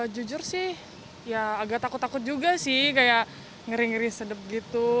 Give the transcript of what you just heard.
jujur sih ya agak takut takut juga sih kayak ngeri ngeri sedep gitu